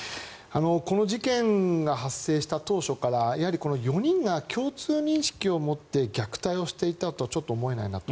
この事件が発生した当初から４人が共通認識を持って虐待をしていたとはちょっと思えないなと。